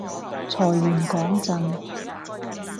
財源廣進